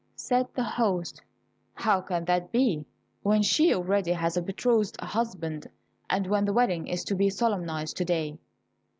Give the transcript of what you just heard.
Said the host, "How can that be, when she already has a betrothed husband, and when the wedding is to be solemnized to day?"